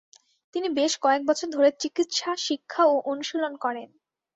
তিনি বেশ কয়েক বছর ধরে চিকিৎসা শিক্ষা ও অনুশীলন করেন।